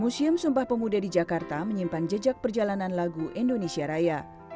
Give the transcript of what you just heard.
museum sumpah pemuda di jakarta menyimpan jejak perjalanan lagu indonesia raya